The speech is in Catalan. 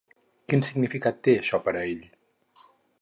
Quin significat té això per a ell?